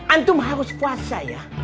antum harus fuatsa ya